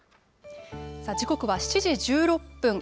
時刻は７時１６分。